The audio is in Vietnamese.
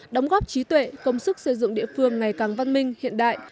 đóng góp trí tuệ công sức xây dựng địa phương ngày càng văn minh hiện đại